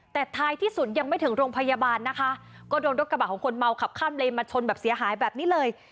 แต่ท้ายที่สุดยังไม่ถึงโรงพยาบาลนะคะก็โดนรถกระบะของคนเมาขับข้ามเลนมาชนแบบเสียหายแบบนี้เลย